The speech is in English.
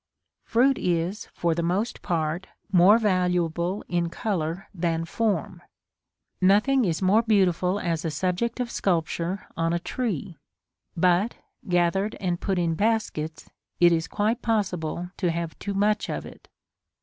Fruit is, for the most part, more valuable in color than form; nothing is more beautiful as a subject of sculpture on a tree; but, gathered and put in baskets, it is quite possible to have too much of it.